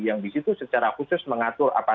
yang disitu secara khusus mengatur